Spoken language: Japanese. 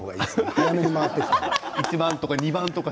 早めに回ってきた方が。